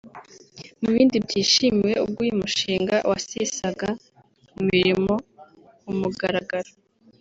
Mubindi byishimiwe ubwo uyu mushinga wasizaga imirimo ku mugaragaro